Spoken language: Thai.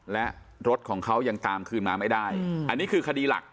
และรถของเขายังตามคืนมาไม่ได้อันนี้คือคดีหลัก